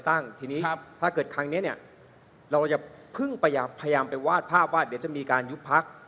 ครั้งนี้เนี่ยเราจะพึ่งพยายามไปวาดภาพว่าเด็ดจะมีการยุบักษณ์